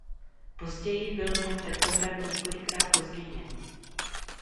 Později byl znak Petrohradu několikrát pozměněn.